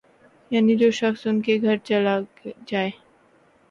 یعنی جو شخص ان کے گھر چلا جائے